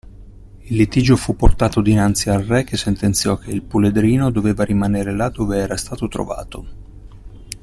Il litigio fu portato dinanzi al re che sentenziò che il puledrino doveva rimanere là dove era stato trovato.